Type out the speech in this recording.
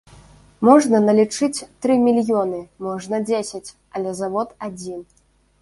Можна налічыць тры мільёны, можна дзесяць, але завод адзін.